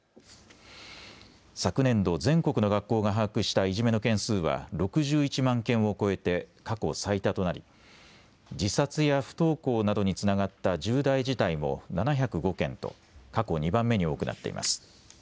昨年度、全国の学校が把握したいじめの件数は６１万件を超えて過去最多となり自殺や不登校などにつながった重大事態も７０５件と過去２番目に多くなっています。